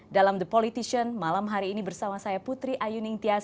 dalam the politician malam hari ini bersama saya putri ayu ningtya